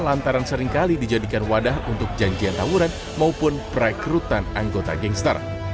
lantaran seringkali dijadikan wadah untuk janjian tawuran maupun perekrutan anggota gangster